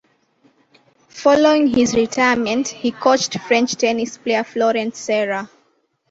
Following his retirement he coached French tennis player Florent Serra.